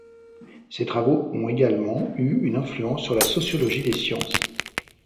Ses travaux ont également eu une influence sur la sociologie des sciences.